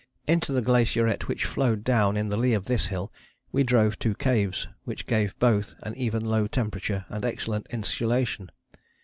Into the glacieret which flowed down in the lee of this hill we drove two caves, which gave both an even low temperature and excellent insulation.